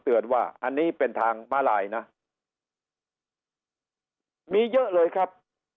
ว่าอันนี้เป็นทางมาลายนะมีเยอะเลยครับ